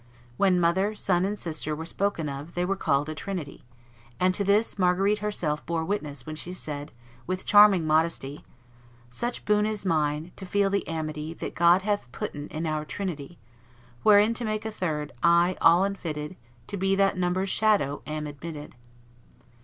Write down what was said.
When mother, son, and sister were spoken of, they were called a Trinity, and to this Marguerite herself bore witness when she said, with charming modesty, "Such boon is mine, to feel the amity That God hath putten in our trinity, Wherein to make a third, I, all unfitted To be that number's shadow, am admitted."